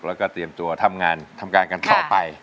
แล้วก็เตรียมตัวทำงานทำการกันต่อไป